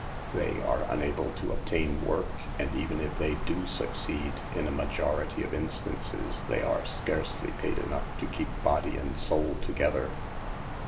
They are unable to obtain work, and even if they do succeed, in a majority of instances they are HOW TO SAVE OUR ERRING SISTERS. 239 scarcely paid enough to keep body and soul together.